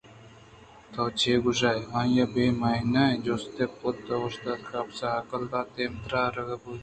تو چے گوٛشئے؟ آئی ءَ بے معنائیں جستے کُت ءُاوشتات اپسءَ ہکّل دات ءُ دیمترا رہادگ بوت اَنت